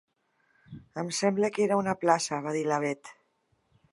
Em sembla que era una plaça —va dir la Bet—.